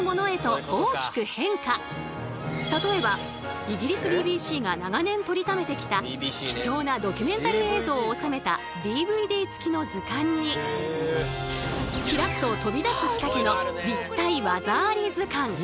例えばイギリスＢＢＣが長年撮りためてきた貴重なドキュメンタリー映像を収めたＤＶＤ付きの図鑑に開くと飛び出す仕掛けの立体ワザあり図鑑。